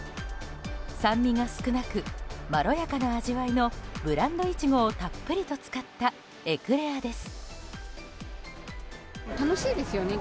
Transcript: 酸味が少なくまろやかな味わいのブランドイチゴをたっぷりと使ったエクレアです。